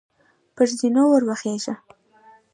پر زینو وروخیژه !